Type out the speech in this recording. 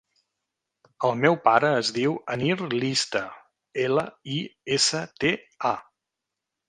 El meu pare es diu Anir Lista: ela, i, essa, te, a.